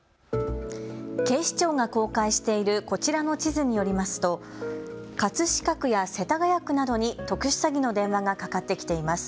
警視庁が公開しているこちらの地図によりますと葛飾区や世田谷区などに特殊詐欺の電話がかかってきています。